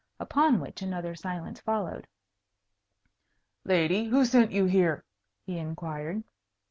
Upon which another silence followed. "Lady, who sent you here?" he inquired.